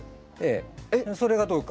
えっそれがどうか？